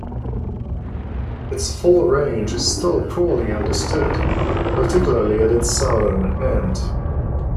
Its full range is still poorly understood, particularly at its southern end.